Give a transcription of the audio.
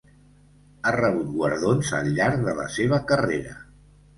Ha rebut guardons al llarg de la seva carrera.